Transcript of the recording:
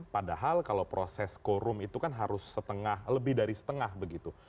padahal kalau proses quorum itu kan harus setengah lebih dari setengah begitu